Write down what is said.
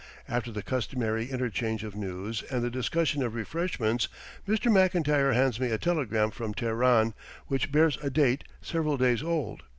After the customary interchange of news, and the discussion of refreshments, Mr. Mclntyre hands me a telegram from Teheran, which bears a date several days old.